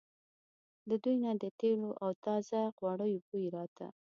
له دوی نه د تېلو او تازه غوړیو بوی راته.